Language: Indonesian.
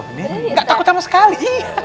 gak takut sama sekali